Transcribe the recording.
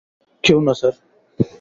কেউ না, স্যার।